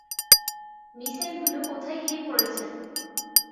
মিসাইলগুলো কোথায় গিয়ে পড়েছে?